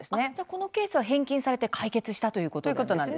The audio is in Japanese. このケースは返金されて解決したということですね。